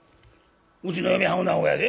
うちの嫁はんおなごやで。